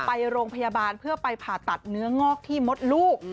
ไปโรงพยาบาลเพื่อไปผ่าตัดเนื้องอกที่มดลูก